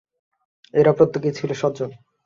এরা প্রত্যেকেই ছিল সজ্জন।